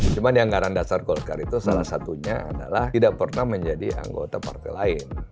cuma di anggaran dasar golkar itu salah satunya adalah tidak pernah menjadi anggota partai lain